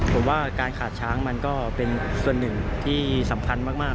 ผมว่าการขาดช้างมันก็เป็นส่วนหนึ่งที่สำคัญมาก